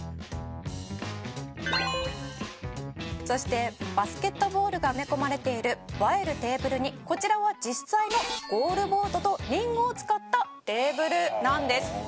「そしてバスケットボールが埋め込まれている映えるテーブルにこちらは実際のゴールボードとリングを使ったテーブルなんです」